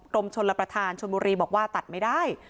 กรมชนรับประทานชนบุรีบอกว่าตัดไม่ได้